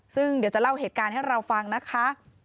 ซึ่งเดี๋ยวจะเล่าเหตุการณ์ให้เราฟังนะคะ